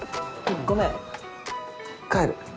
ごめん帰る。